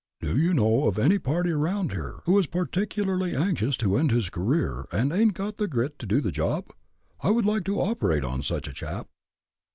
Do you know of any party around here who's particularly anxious to end his career, and ain't got the grit to do the job? I would like to operate on such a chap."